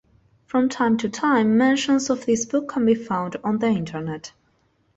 From time to time mentions of this book can be found on the internet.